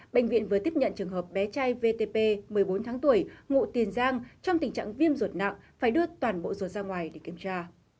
bệnh viện vừa tiếp nhận trường hợp bé trai vtp một mươi bốn tháng tuổi ngụ tiền giang trong tình trạng viêm ruột nặng phải đưa toàn bộ ruột ra ngoài để kiểm tra